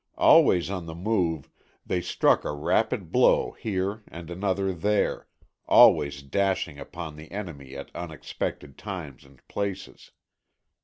Always on the move, they struck a rapid blow here and another there, always dashing upon the enemy at unexpected times and places.